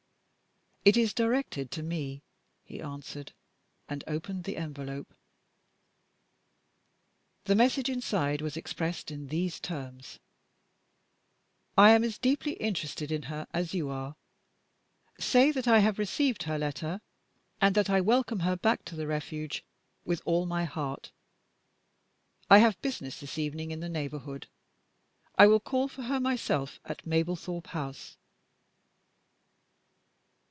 "It is directed to Me," he answered and opened the envelope. The message inside was expressed in these terms: "I am as deeply interested in her as you are. Say that I have received her letter, and that I welcome her back to the Refuge with all my heart. I have business this evening in the neighborhood. I will call for her myself at Mablethorpe House."